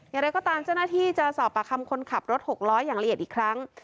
อย่างไรก็ตามเจ้าหน้าที่จะสอบปากคำคนขับรถหกล้ออย่างละเอียดอีกครั้ง